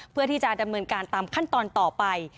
เพื่อที่จะดำเนินการตามขั้นตอนต่อไป